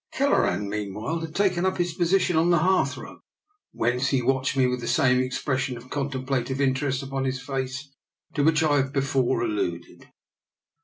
Kelleran meanwhile had taken up his position on the hearthrug, whence he watched me with the same expression of con templative interest upon his face to which I have before alluded.